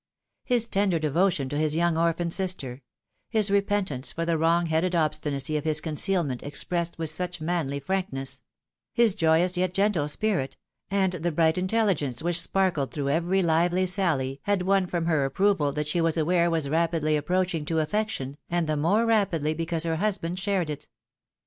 His tender devotion to his young orphan sister ; his repentance for the wrong headed obstinacy of his concealment expressed with such manly frank ness ; his joyous, yet gentle spirit, and the bright intelligence which sparkled through every hvely sally, had won from her approval that she was aware was rapidly approaching to affection, and the more rapidly because her husband shared it.